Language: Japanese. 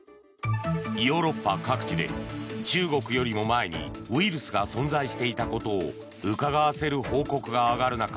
ヨーロッパ各地で中国よりも前にウイルスが存在していたことをうかがわせる報告が上がる中